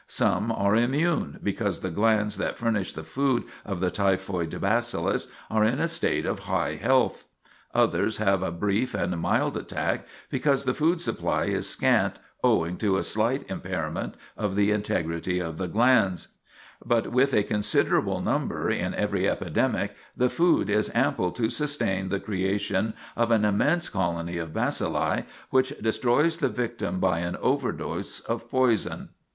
Some are immune, because the glands that furnish the food of the typhoid bacillus are in a state of high health; others have a brief and mild attack, because the food supply is scant owing to a slight impairment of the integrity of the glands; but with a considerable number in every epidemic the food is ample to sustain the creation of an immense colony of bacilli which destroys the victim by an overdose of poison.